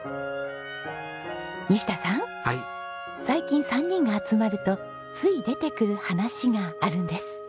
最近３人が集まるとつい出てくる話があるんです。